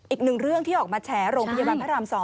อีกหนึ่งเรื่องที่ออกมาแฉโรงพยาบาลพระราม๒